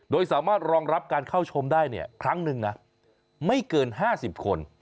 โดยสามารถรองรับการเข้าชมได้เนี่ยครั้งหนึ่งนะไม่เกิน๕๐คน